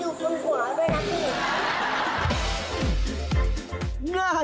อยู่ข้างหัวด้วยนะพี่โง่อยู่ข้างหัวด้วยนะพี่